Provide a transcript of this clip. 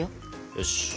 よし。